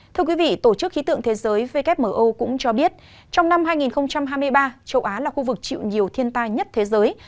thưa quý vị tổ chức khí tượng thế giới wmo cũng cho biết trong năm hai nghìn hai mươi ba châu á là khu vực chịu nhiều thiên tai nhất thế giới